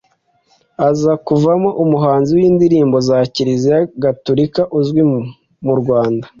aza kuvamo umuhanzi w’indirimbo za Kiriziya Gaturika uzwi mu Rwanda